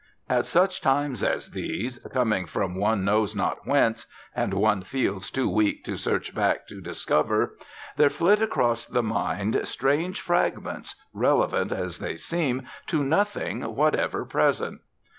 At such times as these, coming from one knows not whence, and one feels too weak to search back to discover, there flit across the mind strange fragments, relevant, as they seem, to nothing whatever present.